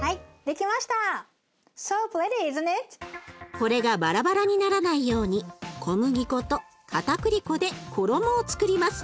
これがバラバラにならないように小麦粉とかたくり粉で衣をつくります。